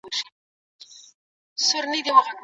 الوتکي په هر ښار کي نه کښېني.